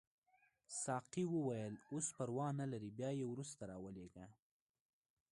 ساقي وویل اوس پروا نه لري بیا یې وروسته راولېږه.